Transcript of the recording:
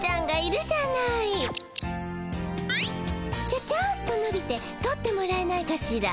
ちょちょっとのびて取ってもらえないかしら？